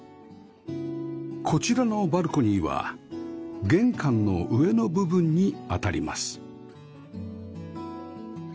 こちらのバルコニーは玄関の上の部分に当たります